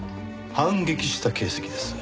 反撃した形跡です。